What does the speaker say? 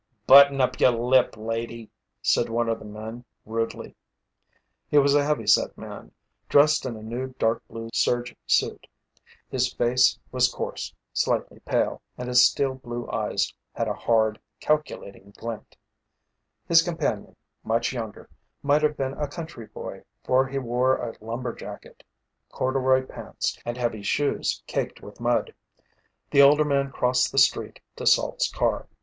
"Button up your lip, lady!" said one of the men rudely. He was a heavy set man, dressed in a new dark blue serge suit. His face was coarse, slightly pale, and his steel blue eyes had a hard, calculating glint. His companion, much younger, might have been a country boy for he wore a lumber jacket, corduroy pants, and heavy shoes caked with mud. The older man crossed the street to Salt's car.